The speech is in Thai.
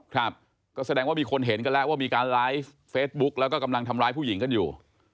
ครับก็แสดงว่ามีคนเห็นกันแล้วว่ามีการไลฟ์เฟซบุ๊กแล้วก็กำลังทำร้ายผู้หญิงกันอยู่